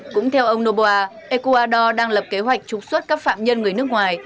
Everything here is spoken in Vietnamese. cũng theo ông noboa ecuador đang lập kế hoạch trục xuất các phạm nhân người nước ngoài